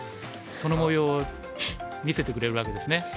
そのもようを見せてくれるわけですね。